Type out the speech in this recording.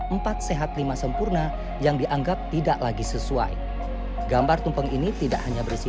empat sehat lima sempurna yang dianggap tidak lagi sesuai gambar tumpeng ini tidak hanya berisi